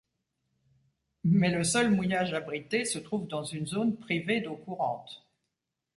Mais le seul mouillage abrité se trouve dans une zone privée d'eau courante.